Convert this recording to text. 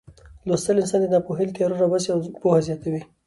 لوستل انسان د ناپوهۍ له تیارو راباسي او پوهه زیاتوي.